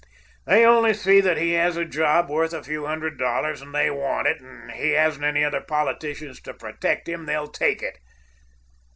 They only see that he has a job worth a few hundred dollars, and they want it, and if he hasn't other politicians to protect him, they'll take it."